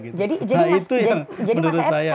nah itu yang menurut saya